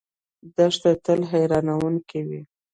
دښته تل حیرانونکې وي.